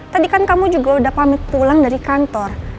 tadi kan kamu juga udah pamit pulang dari kantor